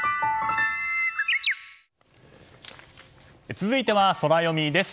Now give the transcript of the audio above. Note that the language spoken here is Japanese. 続いては、ソラよみです。